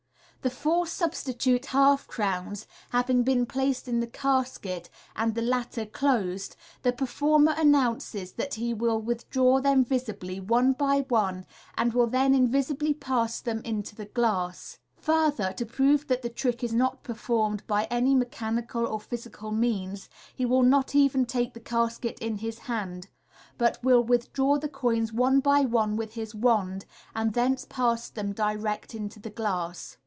The four substitute half crowns having been placed in the casket, and the latter closed, the performer announces that he will withdraw them visibly, one by one, and will then invisibly pass them into the glass. Further, to prove that the trick is not performed by any mechanical or physical means, he will not even take the casket in his hand, but will withdraw the coins one by one with his wand, and thence pass them direct into the glass.